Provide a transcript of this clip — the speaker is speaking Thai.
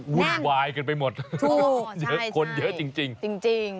วุ่นวายกันไปหมดถูกคนเยอะจริงจริงจริงจริง